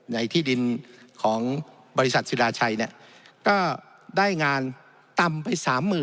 ในที่ดินของบริษัทศิราชัยก็ได้งานต่ำไป๓๐๐๐